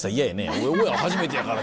「俺親は初めてやから」